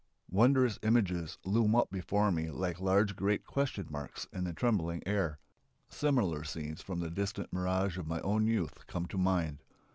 Wondrous images loom up before me like large great question marks in the trembling air. Similar scenes from the distant mirage of my own youth come to mind.